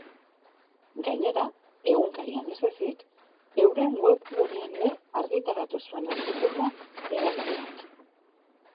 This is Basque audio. Gainera, egunkarian ez ezik, euren webgunean ere argitaratu zuen artikulua hedabideak.